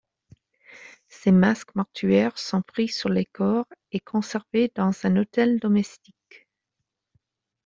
Ces masques mortuaires sont pris sur les corps et conservés dans un autel domestique.